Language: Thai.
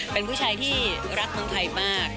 เป็นผู้ชายที่รักเมืองไทยมาก